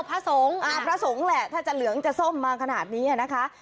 พระสงฆ์พระสงฆ์แหละถ้าจะเหลืองจะส้มมาขนาดนี้นะคะ